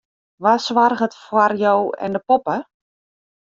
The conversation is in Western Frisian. Wa soarget foar jo en de poppe?